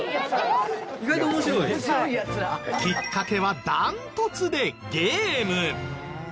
きっかけは断トツでゲーム。